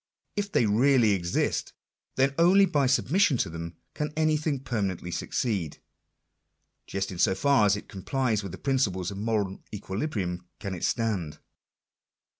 If they really exist, then only by submission to them can anything permanently succeed. Just in so far as it complies with the principles of moral equilibrium can it stand.